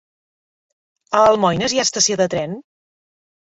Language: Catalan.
A Almoines hi ha estació de tren?